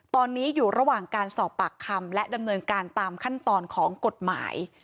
ตอนนี้อยู่ระหว่างการสอบปากคำและดำเนินการตามขั้นตอนของกฎหมาย